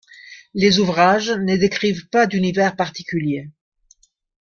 Les ouvrages ne décrivent pas d'univers particulier.